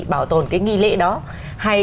bảo tồn cái nghi lễ đó hay